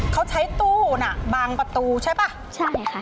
เขาใช้ตู้น่ะบางประตูใช่ป่ะใช่ค่ะ